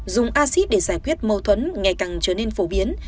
dùng acid để giải quyết mâu thuẫn ngày càng trở nên phổ biến